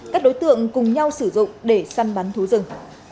các đối tượng cùng nhau sử dụng để săn bắn thú rừng